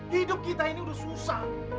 hidup kita ini sudah susah